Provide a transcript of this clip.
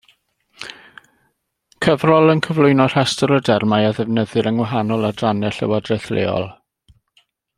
Cyfrol yn cyflwyno rhestr o dermau a ddefnyddir yng ngwahanol adrannau llywodraeth leol.